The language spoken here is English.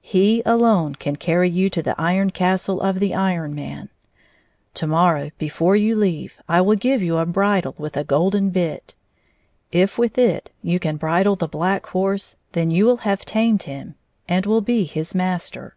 He alone can carry you to the Iron Castle of the Iron Man. To morrow, before you leave, I will give you a bridle with a golden bit. If with it you can bridle the Black Horse, then you will have tamed him, and will be his master."